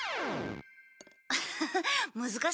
アハハ難しいね。